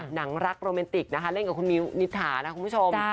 หนังรักโรแมนติกนะคะเล่นกับคุณมิวนิษฐานะคุณผู้ชม